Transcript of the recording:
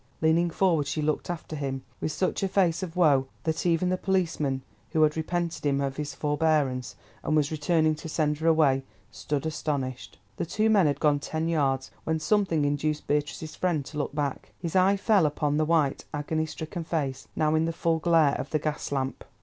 Leaning forward, she looked after him, with such a face of woe that even the policeman, who had repented him of his forbearance, and was returning to send her away, stood astonished. The two men had gone about ten yards, when something induced Beatrice's friend to look back. His eye fell upon the white, agony stricken face, now in the full glare of the gas lamp.